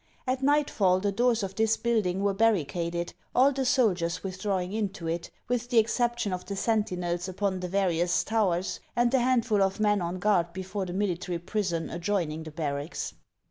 At night fall the doors of this build ing were barricaded, all the soldiers withdrawing into it. with the exception of the sentinels upon the various towers, and the handful of men on guard before the mili tary prison adjoining the barracks.